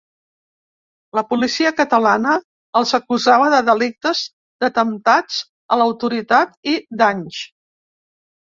La policia catalana els acusava de delictes d’atemptats a l’autoritat i danys.